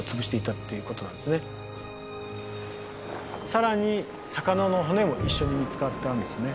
更に魚の骨も一緒に見つかったんですね。